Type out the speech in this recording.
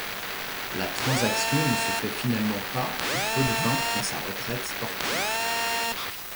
La transaction ne se fait finalement pas et Potvin prend sa retraite sportive.